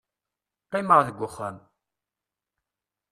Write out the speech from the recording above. qqimeɣ deg uxxam